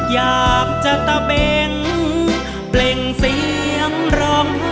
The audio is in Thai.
อยากจะตะเบงเปล่งเสียงร้อง